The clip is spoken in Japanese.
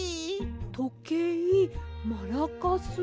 とけいマラカス。